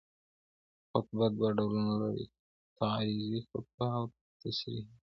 خطبه دوه ډولونه لري: تعريضي خطبه او تصريحي خطبه.